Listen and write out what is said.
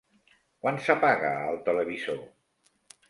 Quan s'apaga el televisor?